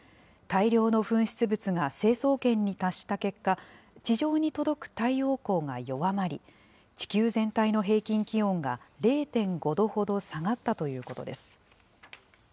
大量の噴出物が成層圏に達した結果、地上に届く太陽光が弱まり、地球全体の平均気温が０．５度ほど下がったということです。